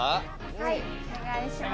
はいお願いします。